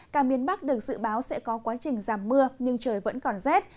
cả miền bắc được dự báo sẽ có quá trình giảm mưa nhưng trời vẫn còn rét